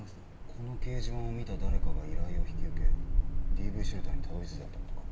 この掲示板を見た誰かが依頼を引き受けＤＶシェルターにたどりついたってことか？